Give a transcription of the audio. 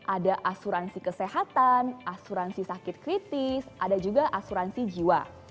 ada asuransi kesehatan asuransi sakit kritis ada juga asuransi jiwa